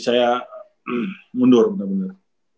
saya mundur bener bener